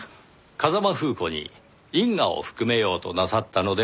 風間楓子に因果を含めようとなさったのではないかと。